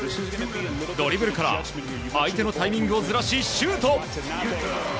ドリブルから相手のタイミングをずらし、シュート！